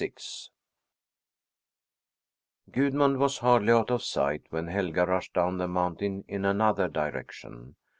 VI Gudmund was hardly out of sight when Helga rushed down the mountain in another direction.